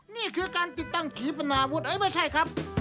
นี่คือการติดตั้งขีปนาวุฒิไม่ใช่ครับ